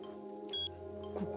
ここ。